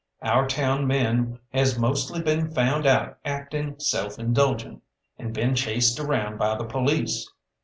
Our town men has mostly been found out acting self indulgent, and been chased around by the police.